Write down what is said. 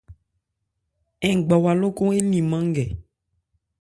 Ngbawa lókɔ élìmán nkɛ.